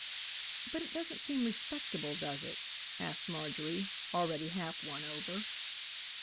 "But it doesn't seem respectable, does it," asked Marjorie, already half won over.